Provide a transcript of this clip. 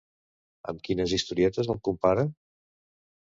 Amb quines historietes el compara?